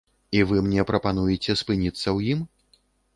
І вы мне прапануеце спыніцца ў ім?